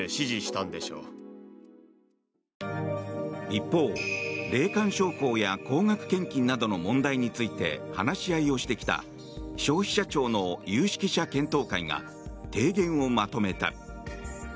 一方、霊感商法や高額献金などの問題について話し合いをしてきた消費者庁の有識者検討会が提言をまとめた。